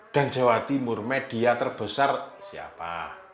dan jawa timur media terbesar siapa